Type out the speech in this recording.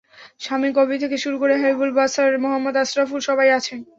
শামীম কবির থেকে শুরু করে হাবিবুল বাশার, মোহাম্মদ আশরাফুল সবাই আছেন।